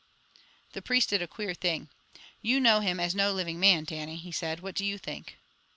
The priest did a queer thing. "You know him as no living man, Dannie," he said. "What do you think?"